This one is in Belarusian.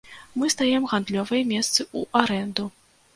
Мы здаем гандлёвыя месцы ў арэнду.